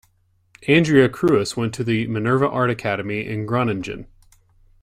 Andrea Kruis went to the Minerva Art Academy in Groningen.